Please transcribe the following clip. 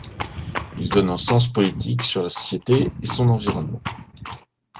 Il donne un sens politique sur la société et son environnement.